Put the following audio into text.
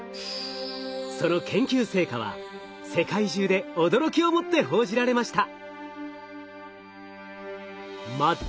その研究成果は世界中で驚きをもって報じられました。